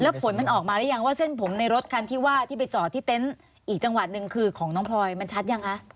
แล้วผลมันออกมาหรือยังว่าเส้นผมในรถคันที่ว่าที่ไปจอดที่เต็นต์อีกจังหวัดหนึ่งคือของน้องพลอยมันชัดยังคะ